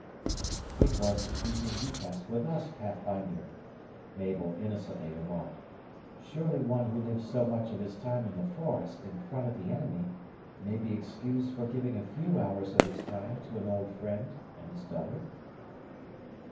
"It was the evening you passed with us, Pathfinder," Mabel innocently remarked; "surely one who lives so much of his time in the forest, in front of the enemy, may be excused for giving a few hours of his time to an old friend and his daughter."